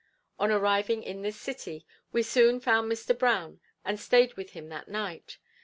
On arriving in this city, we soon found Mr. Brown and stayed with him that night.